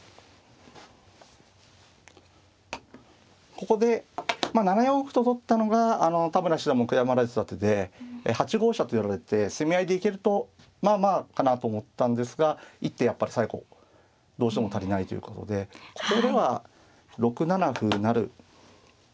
ここで７四歩と取ったのが田村七段も悔やまれてた手で８五飛車と寄られて攻め合いで行けるとまあまあかなと思ったんですが一手やっぱり最後どうしても足りないということでここでは６七歩成同金。